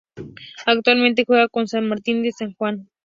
Actualmente juega en San Martin de San Juan.